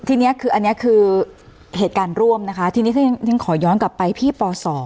ทีนี้คืออันนี้คือเหตุการณ์ร่วมนะคะทีนี้ถ้าขอย้อนกลับไปพี่ป๒